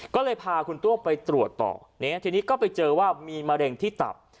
ก็เลยพาคุณตัวไปตรวจต่อทีนี้ก็ไปเจอว่ามีมะเร็งที่ตับ